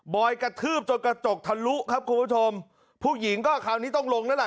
อยกระทืบจนกระจกทะลุครับคุณผู้ชมผู้หญิงก็คราวนี้ต้องลงแล้วล่ะ